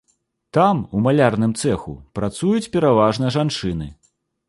Там, у малярным цэху, працуюць пераважна жанчыны.